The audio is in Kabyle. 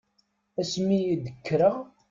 Asmi i d-kkreɣ.